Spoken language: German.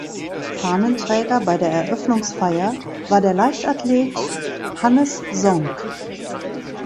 Fahnenträger bei der Eröffnungsfeier war der Leichtathlet Hannes Sonck.